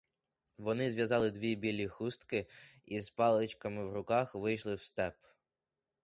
Вони зв'язали дві білі хустки і з паличками в руках вийшли в степ.